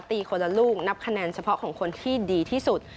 ตีคนละลูกนับคะแนนเฉพาะของคนที่ดีที่สุด